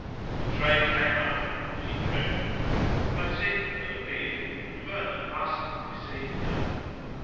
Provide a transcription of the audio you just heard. The train came up. She trembled: no signal had appeared, and Vernon must have deceived her.